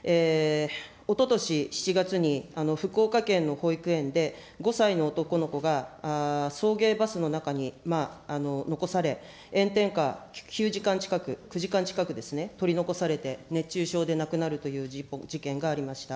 おととし７月に福岡県の保育園で、５歳の男の子が送迎バスの中に残され、炎天下、９時間近く、９時間近くですね、取り残されて、熱中症で亡くなるという事件がありました。